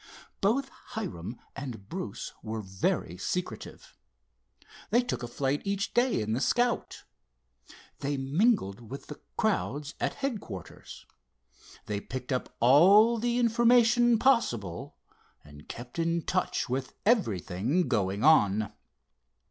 Both Hiram and Bruce were very secretive. They took a flight each day in the Scout. They mingled with the crowds at headquarters. They picked up all the information possible and kept in touch with everything going on.